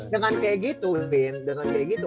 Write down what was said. dengan kaya gitu edwin dengan kaya gitu